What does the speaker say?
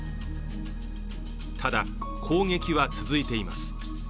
ただ、攻撃は続いています。